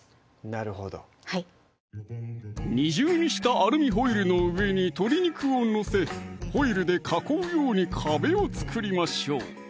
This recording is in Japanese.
なるほど２重にしたアルミホイルの上に鶏肉を載せホイルで囲うように壁を作りましょう